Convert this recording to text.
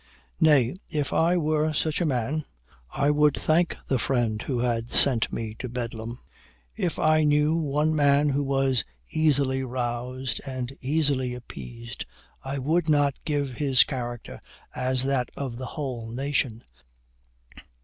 Nay, if I were such a man, I would thank the friend who had sent me to Bedlam. If I knew one man who was 'easily roused and easily appeased,' I would not give his character as that of the whole nation.